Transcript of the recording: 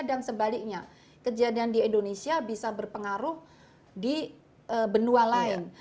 dan sebaliknya kejadian di indonesia bisa berpengaruh di benua lain